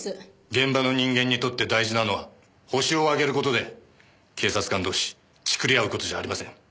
現場の人間にとって大事なのは犯人を挙げる事で警察官同士チクりあう事じゃありません。